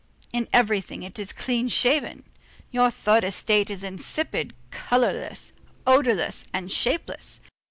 In everything it is clean shaven. Your third estate is insipid, colorless, odorless, and shapeless.